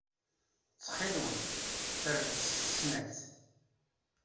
Ttxil-wen, fernet s tesnagt.